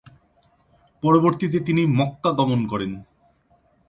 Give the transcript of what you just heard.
পরবর্তীতে, তিনি মক্কা গমন করেন।